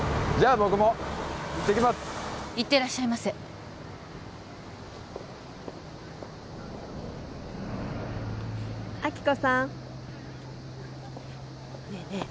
僕も行ってきますいってらっしゃいませ亜希子さんねえねえ